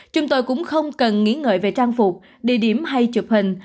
chúng tôi cũng không cần nghĩ ngợi về trang phục địa điểm hay chụp hình